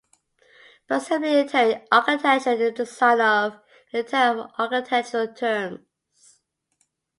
Put simply, Interior Architecture is the design of an interior in architectural terms.